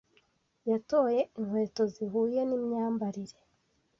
Yatoye inkweto zihuye n'imyambarire.